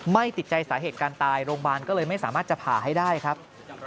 ไม่ติดใจสาเหตุการตายโรงพยาบาลก็เลยไม่สามารถจะผ่าให้ได้ครับ